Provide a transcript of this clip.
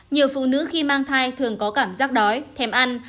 nhiều phụ nữ khi mang thai thường có cảm giác đói thèm ăn